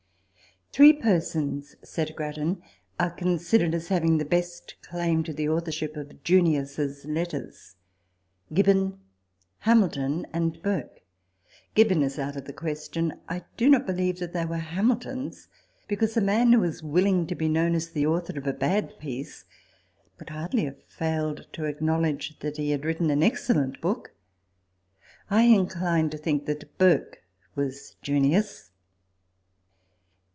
" Three persons," said Grattan, " are considered as having the best claim to the authorship of " Junius's Letters " Gibbon, Hamilton, and Burke. Gibbon is out of the question. I do not believe that they were Hamilton's ; because a man who was willing to be known as the author of a bad piece would hardly have failed to acknowledge that he had written an excellent book. I incline to think that Burke was Junius."